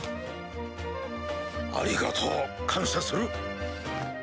ありがとう感謝する。